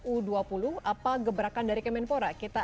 u dua puluh apa gebrakan dari kemenpora